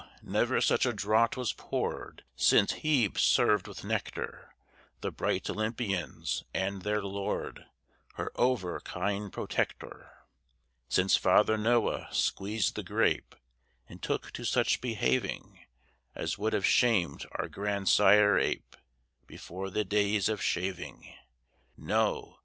never such a draught was poured Since Hebe served with nectar The bright Olympians and their Lord, Her over kind protector, Since Father Noah squeezed the grape And took to such behaving As would have shamed our grandsire ape Before the days of shaving, No!